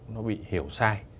nó bị hiểu sai